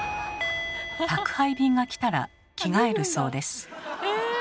宅配便が来たら着替えるそうです。